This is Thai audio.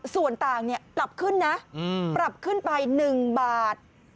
ส่วนต่างเนี่ยปรับขึ้นนะอืมปรับขึ้นไปหนึ่งบาท